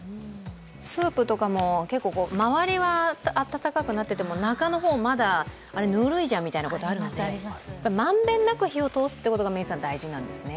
スープとかも周りは温かくなってても中の方はまだぬるいじゃんみたいなことあるもんね満遍なく温めるというのが大事なんですね。